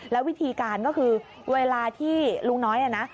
แล้ววิธีการก็คือเวลาที่ลุงน้อยนะ